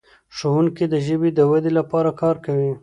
ښوونکي د ژبې د ودې لپاره کار کوي.